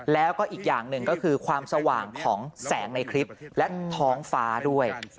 แล้วก็อีกอย่างหนึ่งก็คือความสว่างของแสงในคลิปและท้องฟ้าด้วย